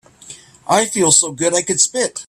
I feel so good I could spit.